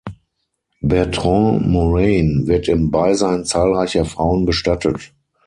Bertrand Morane wird im Beisein zahlreicher Frauen bestattet.